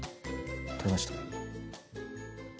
取れました。